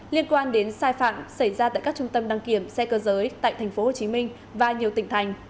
liên quan đến sai phạm xảy ra tại các trung tâm đăng kiểm xe cơ giới tại tp hcm và nhiều tỉnh thành